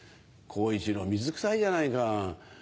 好一郎水くさいじゃないか。